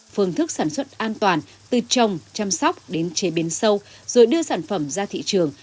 phương thức sản xuất an toàn từ trồng chăm sóc đến chế biến sâu rồi đưa sản phẩm ra thị trường